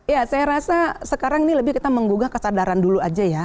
ya saya rasa sekarang ini lebih kita menggugah kesadaran dulu aja ya